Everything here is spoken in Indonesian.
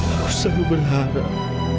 aku selalu berharap